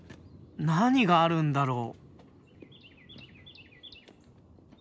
何があるんだろう？